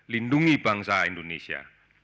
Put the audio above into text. lindungi bangsa indonesia